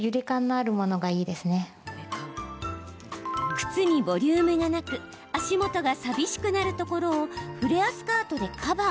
靴にボリュームがなく足元が寂しくなるところをフレアスカートでカバー。